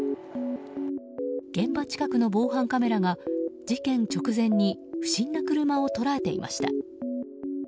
現場近くの防犯カメラが事件直前に不審な車を捉えていました。